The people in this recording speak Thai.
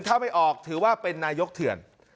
ถ้าไม่ออกถือว่าเป็นนายกเถื่อน